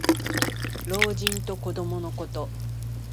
老人と子どものこと。